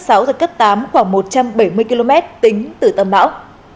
giật cấp tám khoảng một trăm bảy mươi km tính từ tâm bão